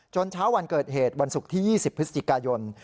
เช้าวันเกิดเหตุวันศุกร์ที่๒๐พฤศจิกายน